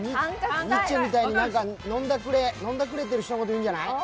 ニッチェみたいに飲んだくれてる人のことを言うんじゃない？